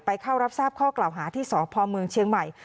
เข้ารับทราบข้อกล่าวหาที่สพเมืองเชียงใหม่